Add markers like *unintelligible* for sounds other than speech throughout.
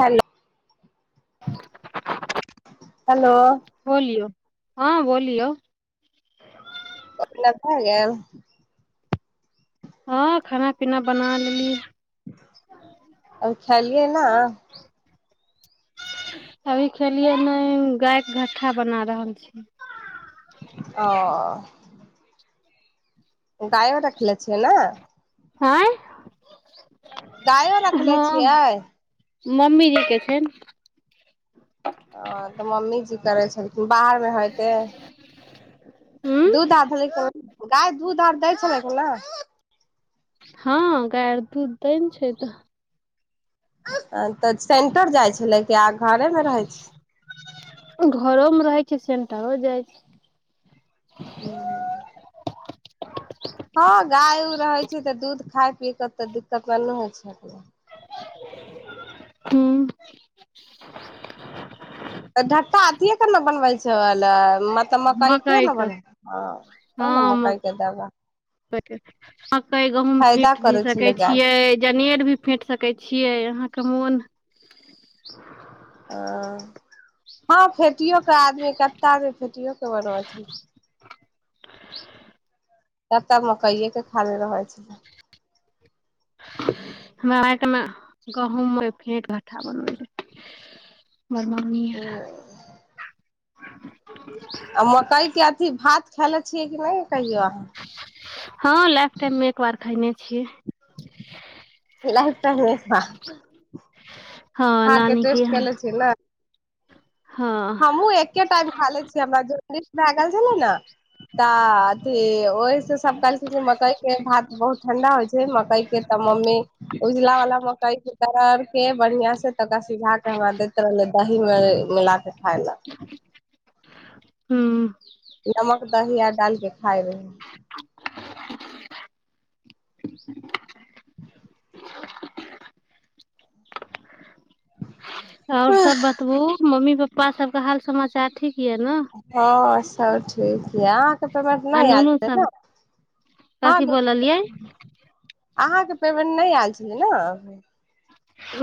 hello hello बोलियौ हँ बोलियौ केमहर गेल हँ खाना पीना बना लेली अब खेलियै ने अभी खेलियै ने गायके घट्ठा बना रहल छी ओ गायो रखलें छिय ने आँ गायो रखले छियै मम्मीजी के छै ने ह तऽ मम्मी जी करै छल बाहर मे हयत उं दूध आधै गाय दूध आर दै छलै ल हँ गाय दूध दै ने छै तऽ तऽ सेंटर जाइ छलै क्य घरे मे रहै छी घरोमे रहै छै सेंटरो जाइ छै *inaudible* हँ गाय उऊ रहै छै तऽ दूध खाय पी कतेक दिक्कत आ नहि होइ छै अपने हू तऽ ढक्का अथिए के ने बनबल छैल मतलब मकइ के ने बने हँ ओ ने मकइके दबा *unintelligible* कई गहूॅंम फेट भी करै सकै छलै गाय छियै जनेर भी फेंट सकै छियै अहाँ कमन ह हँ फेटियो क आदमी कत आदम फेटियओके बन छै तब तब मकइएके खाली रहै छै हमरा आरके ने गहुूँममे फेक घट्ठा बन बर मनीी यर ह आ मकई के अथी भात खाल छियै कि नहि कहियो अहाँ हँ लासट टाइममे एक बार खायने *unintelligible* लटाम हँ खा के नानी टेस्ट यहाँ केेले छी ल हँ हमूँ एके टाइम खा ले छीिय हमरा ज भए गेल छलै ने त अथी ओ सब कहलखिन मकई के भात बहुत ठंडा होय छै मकई के त मम्मी उजला वाला मकई के तरर के बढ़िया से तरा सिझा के हमरा दैत रहले दही मे मिलाक उठालक हुँ नमक दहििया डाल कऽ खााय रहै *unintelligible* *unintelligible* आओर सब बतबू मम्मी पपापा कपा सब क हाल समाचार ठीक यऽ ने हँ हँ छै ये अहाँ कें पेमेंट आ नहि आएल नुनू छै न सब हाँ कथी बोललियै अहाँके त नहि आयल छलै ने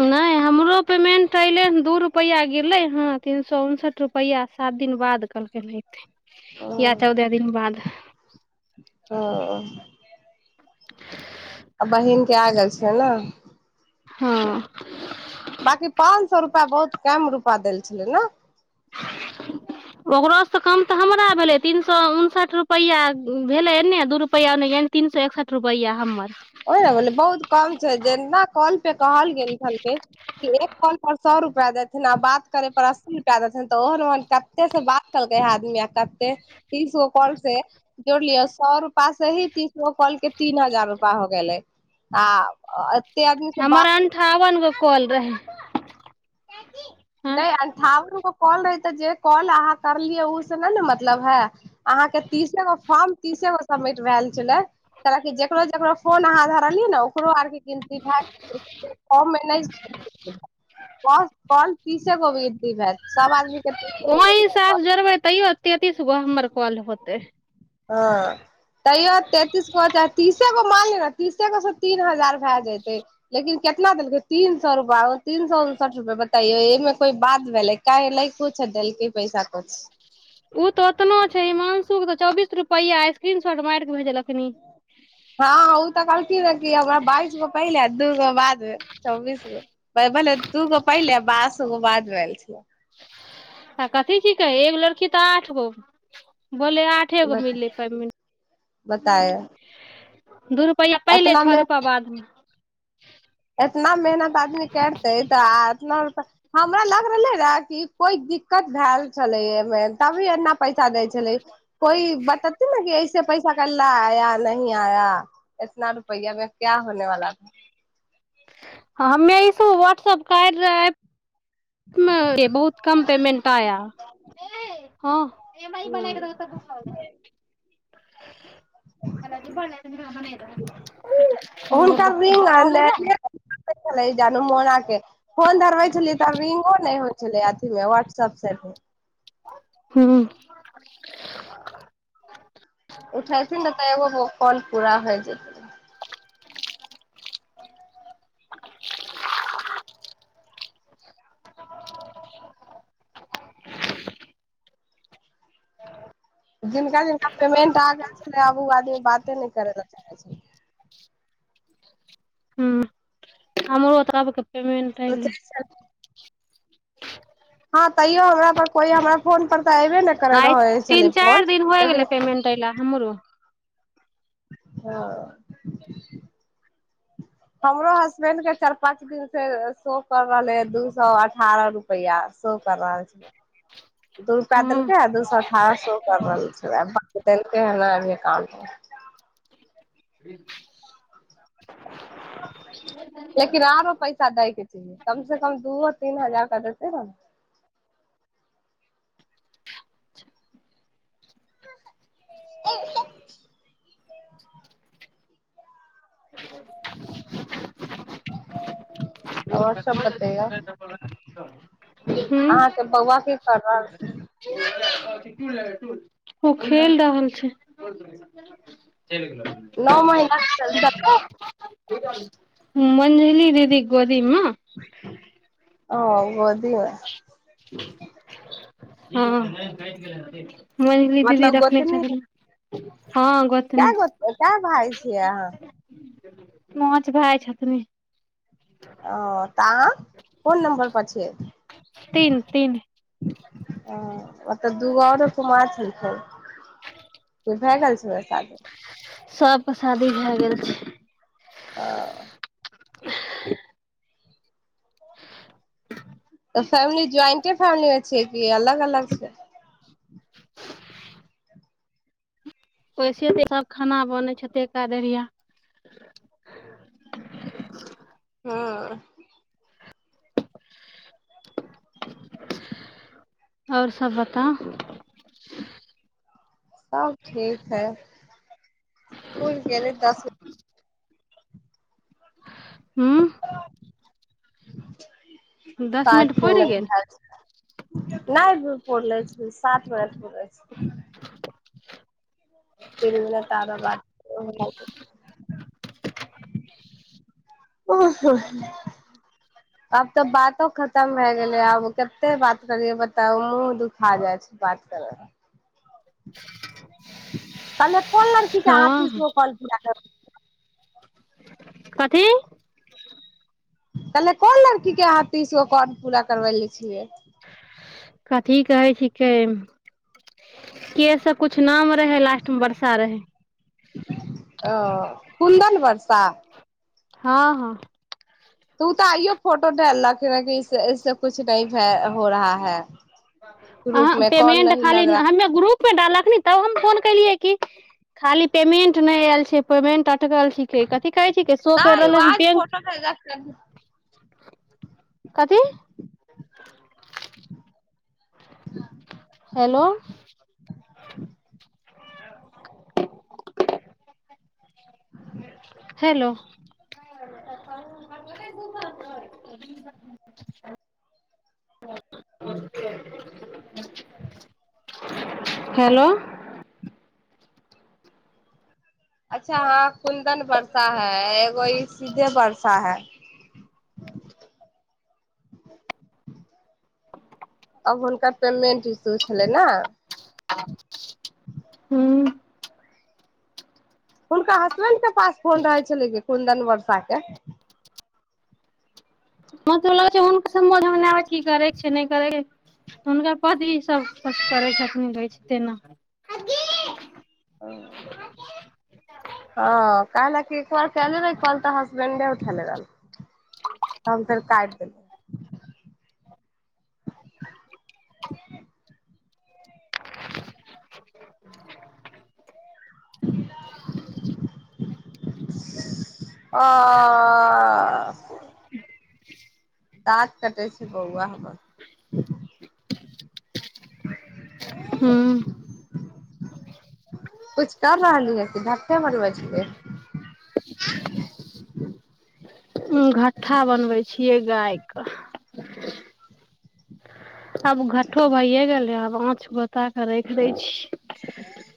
नहि हमरो पेमेंट अयलै ह दू रुपैआ गेलै हँ तीन सए उनसठि रुपैआ सात दिन बाद कहलकै एतै या चौदह दिन बाद हँ आ बहिन के आगल छै ने हँ बांकी पाँच सए रुपआ बहुत कम रुपआ देल छलै ने ओकरोसँ कम तऽ हमरा भेलै तीन सए उनसठि रुपैआ भेलैन्ने दू रुपैआन् तीन सए एकसठि रुपैआ हमर ओहि ने बहुत कम छै जेना कल पे कहल गेल छलखिन एक कॉल पर सए रुपआ रूपा देथिन आ बाद करेय पपर अस्सी रुपया देथिन तऽ ओहन ओन कते से बात कलकै आदमी आ कते तीसगो कल से जोड़लियो सौ रुप पास ही तीसरो कॉल के तीन हजार रूपा हो गेलै आ आदमी से हमर बात अन्ठावन गो कॉल रहेय नहि अंठावन गो कॉल नहि जे कॉल अहाँ करलिये उ से ने ने मतलब हे अहाँ के तीसगो फॉर्म तीसगो सबमिट भेल छले कीकरो जेकरो फोर्न अहाँ धरलियै ने ओकरो आर गिनती भए ओ मे नहि कौन कौन तीसे गो गिनती भेल सब आदमीकें तीसे गो वहीं सास जोड़बै तैयो तेतीस गो हमर कॉल होतै हँ तैयो तेंतीस को तीसे गो मानियोउ तीसे गो सँ तीन हजार भए जतै लेकिन कितना देलकै तीन सए रुपआ तीन सए उनसठ रुपे बताैयो एहिमे को बात भेलै काह लै कुछु देलकै पैसा कुछ *unintelligible* उऽ तऽ ओतना छै इमास तऽ चौबीसस रुपआ स्किन शट मारिक भेजलक हँ ओ तऽ कहलथि रह बाइस गो पहिले दू गो बादमे चौबीस गोले दू गो पहिले ब बाद भेल आ कथी छिकै एगो लड़की तऽ आठ गो बोले आठे गो मिललै पेमेन्ट बतायो दूर पैला पहिले एतना छ मे रूपा बाद म *unintelligible* एतना मेहनत आदमी करते तऽ एतना रुपैया हमरा लग रहलै रहै कि कोइ दिक्कत भैल छलै एहिमे तभी एना पैसा दै छलै कोइ बतातै न कि ऐ पैसा केय लऽ आया या नही आया इतना रुपैया मे क्या होने वाला हमे इस व्हाट्सप कार्य एप बहुत कम पेमेंट आया यै हँ एकरा मैगी ह बना क दहु तऽ भुख लागल हुनकर रिंग हइ *inaudible* छलै जानू मोना के *unintelligible* फोन धरबै छलिये तऽ रिंगो नइ होइ छलै केलिये वाट्सप सँ अभि हू उठेतिन न तऽ एगो कॉल पूरा होइ जेतै *unintelligible* जिनका जिनका पेमेंट आ गेल छै न आब उ आदमी बाते नइ करे ल चाहेय छै हू हमरो तरबके पेमेन्ट एलै सोचै छल हँ तैयो हमरा पर कोइ हमरा फोन पर तऽ अऐबे नइ करै आइ रहै तीन छलै चारि फोन दिन होइ गेलै लेकिन पेमेंट अयला हमरो हँ हमरो हसबेैंड के चार पाँच दिन से सो कर रहले है दू सौ आठ अठारह रुपैया शो कर रहल छै दू सै हँ दलकै दू सौ अठारह सो कर रहल छै बाकी दल कहि हमरा अभि काम छै ह लेकिन आरो पैसा दै के चाहिए कम से कम दूओ तीन हजार क देते रहै न *unintelligible* *unintelligible* आओर सब बतैयो हूं अहाँ के बौआ ठिक हई आदर्श उ खेल रहल छै नओ महिना त सब ह मञलीदग रीम ओ बी होइ हँ मझली दीदी रखने च कए गो क भइ छियै अहाँ मौछ भए जाइ छथिन ओ त फोन नंबर पछि तीन तीन ह मतलब दूगो आओरो कुमार छल त भै गेलल छै बस आगे सबके शादी भए गेल छै आ *unintelligible* *unintelligible* तऽ फेमिली ज्वइंटे फेमिली मे छै कि अलग अलग छै ओैसे सब खाना बनै छैेरिया हँ आओर सभ बताउ सब ठीक है फूल गेले दस हू *unintelligible* दस मिनट पचमे पुरि गेल ल नहि पढ़ल छै बेस सात वज *unintelligible* तिलव ल ताबा बात आब तऽ बातो खतम भए गेलै आब कते बात करियै बता मुह दुखा जाइ छै बात करे ताले कल की क हसस हँ ओ कल क कथी कलेह कोन लड़की के हाथ मे बीस गो कॉल पूरा करबेे छियै कथी कहै छिकै के सब कुछु नाम रहै लास्ट मे बरसा रहै आ कुन्दन वर्षा हँ हँ तू तऽ आइयो फोटो ढाललस कुछ न हो रहा है ग्रुप अह में कॉल पेमेंट नहीं खाली लग रहा हमे ग्रुपमे डालक न तब हम फोन केलियै की खाली पेमेंट नहि आयल छै पेमेंट अटकल छिके कथी कहै छ शो कर नहि रहल आज बैंक फोटो भेज कथी ह हेलो हैेलो अच्छा हँ कुन्दन वर्षा है एगो ई सीधे वर्षा है अब हुनकर पेमेंट इस्यू छलै ने हुँ हुनका हसबेंड के पास फोन रहै छलै कि कुन्दन वर्षा के मतलब हुनकर समझ मे नै आबै छै की करै छै नहि करै छै हुनकर पत्नी सँ सबकछु करै छथिखन रहै छै तेना हँ काहेला की एक बार केए रहा कॉल त हम फोन नहि उठेल रहा फेर हम काटि आ दाँत कटै छै बौआ हम हूँ कछ कर रहलीठे मरब घट्ठा बनबै छियै गायके आब घट्ठो भइए गेलै आब आँच बोता कऽ राख दै छी